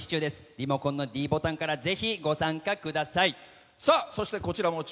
リモコンのｄボタンからぜひご参加ください。